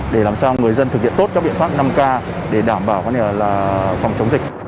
để làm sao người dân thực hiện tốt các biện pháp năm k để đảm bảo phòng chống dịch